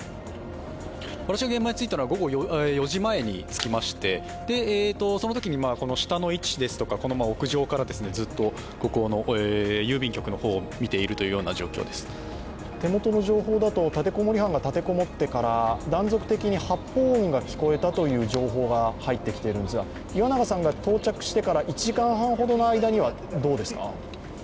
私は現場には午後４時前に着きましてそのときにこの下の位置ですとか、屋上から手元の情報だと、立て籠もり犯が立て籠もってから断続的に発砲音が聞こえたという情報が入ってきているんですが、岩永さんが到着してから１時間半ほどの間にはどうですか？